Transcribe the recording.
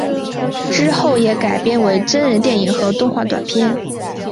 之后也改编为真人电影和动画短片。